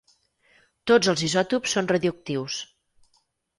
Tots els isòtops són radioactius.